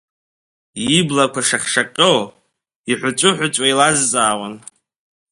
Иблақәа шаҟьшаҟьо, иҳәыҵәыҳәыҵәуа илазҵаауан.